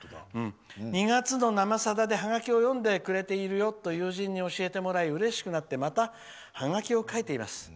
「２月の「生さだ」でハガキを読んでくれているよと友人に教えてもらいうれしくなってまたハガキを書いています。